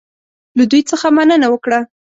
له دوی څخه مننه وکړه.